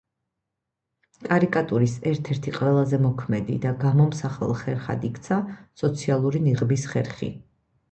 კარიკატურის ერთ-ერთი ყველაზე მოქმედი და გამომსახველ ხერხად იქცა „სოციალური ნიღბის“ ხერხი.